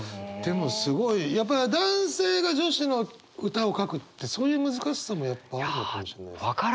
やっぱ男性が女子の歌を書くってそういう難しさもやっぱあるのかもしれない。